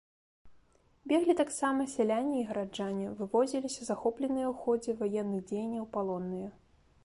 Беглі таксама сяляне і гараджане, вывозіліся захопленыя ў ходзе ваенных дзеянняў палонныя.